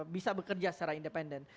bisa bekerja secara independen